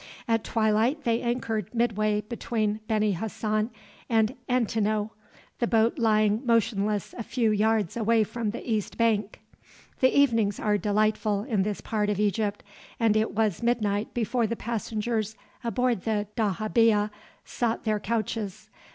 At twilight they anchored midway between Beni Hassan and Antinoe, the boat lying motionless a few yards away from the east bank. The evenings are delightful in this part of Egypt, and it was midnight before the passengers aboard the dahabeah sought their couches.